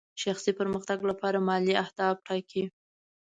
شخصي پرمختګ لپاره مالي اهداف ټاکئ.